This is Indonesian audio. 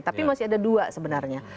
tapi masih ada dua sebenarnya